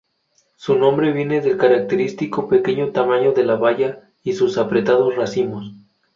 Su nombre viene del característico pequeño tamaño de la baya y sus apretados racimos.